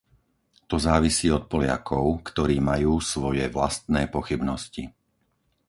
To závisí od Poliakov, ktorí majú svoje vlastné pochybnosti.